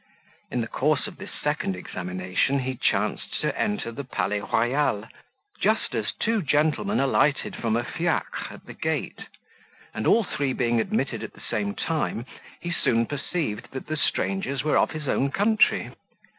In the course of this second examination he chanced to enter the Palais Royal, just as two gentlemen alighted from a fiacre at the gate; and all three being admitted at the same time, he soon perceived that the strangers were of his own country.